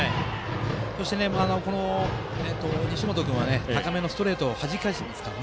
そして西本君は高めのストレートをさっきはじき返しているので。